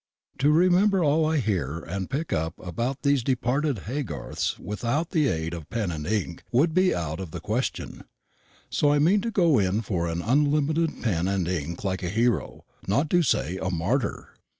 To remember all I hear and pick up about these departed Haygarths without the aid of pen and ink would be out of the question; so I mean to go in for unlimited pen and ink like a hero, not to say a martyr.